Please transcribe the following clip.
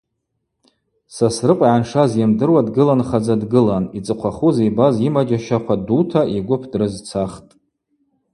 Сосрыкьва йгӏаншаз йымдыруа дгыланхадза дгылан, йцӏыхъвахуз йбаз йымаджьащахъва дута йгвып дрызцахтӏ.